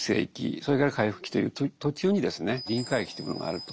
それから回復期という途中にですね臨界期というものがあると。